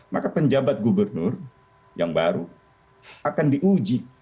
maka penjabat gubernur yang baru akan diuji